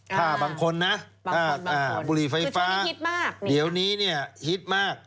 ถ้าบางคนนะบุหรี่ไฟฟ้าเดี๋ยวนี้ฮิตมาก